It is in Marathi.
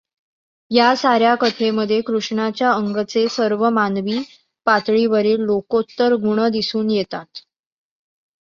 या साऱ्या कथेमध्ये कृष्णाच्या अंगचे सर्व मानवी पातळीवरील लोकोत्तर गुण दिसून येतात.